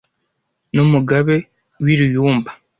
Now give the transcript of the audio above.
N’umugabe w’i Ruyumba,